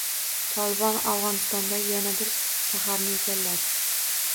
“Tolibon” Afg‘onistondagi yana bir shaharni egalladi